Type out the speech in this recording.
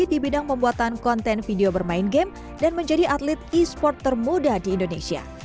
di bidang pembuatan konten video bermain game dan menjadi atlet e sport termuda di indonesia